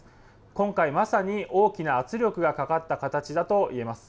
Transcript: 今回、まさに大きな圧力がかかった形だと言えます。